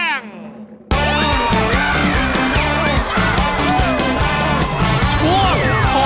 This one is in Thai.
ช่วงขอแรง